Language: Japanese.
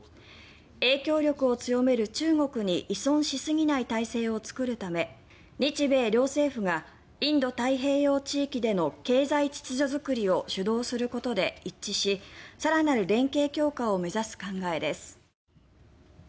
影響力を強める中国に依存しすぎない体制を作るため日米両政府がインド太平洋地域での経済秩序作りを主導することで一致し更なる連携強化を目指す考えです。